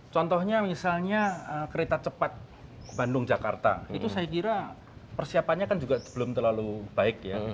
contohnya misalnya kereta cepat bandung jakarta itu saya kira persiapannya kan juga belum terlalu baik ya